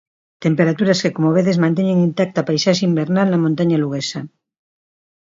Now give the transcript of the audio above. Temperaturas que como vedes manteñen intacta a paisaxe invernal na montaña luguesa.